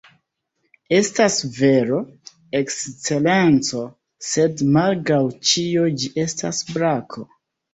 “Estas vero, Ekscelenco; sed, malgraŭ ĉio, ĝi estas brako.”